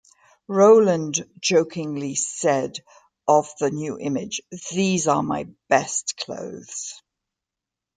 Rowland jokingly said of the new image: These are my best clothes.